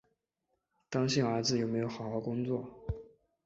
担心儿子有没有好好工作